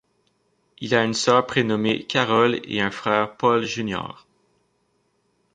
Il a une sœur prénommée Carole et un frère Paul Jr.